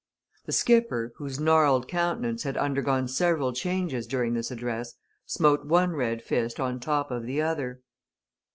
The skipper, whose gnarled countenance had undergone several changes during this address, smote one red fist on top of the other.